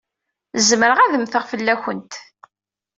Zemreɣ ad mmteɣ fell-awent.